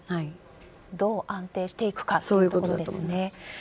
どう安定していくかというところですね。